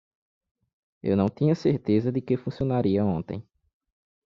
Eu não tinha certeza de que funcionaria ontem.